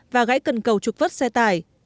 và gãy cần cầu trục vất xe tải